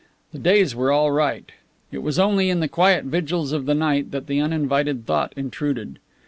The days were all right. It was only in the quiet vigils of the night that the uninvited thought intruded.